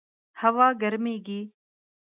هوا ګرمیږي